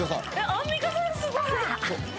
アンミカさんすごい！